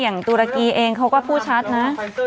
อย่างตุลักรณ์เองเขาก็พูดชัดนะ